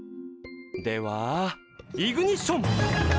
ではイグニッション！